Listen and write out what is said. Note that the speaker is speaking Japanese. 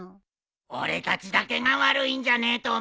俺たちだけが悪いんじゃねえと思うぞ。